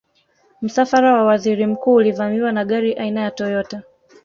msafara wa waziri mkuu ulivamiwa na gari aina ya toyota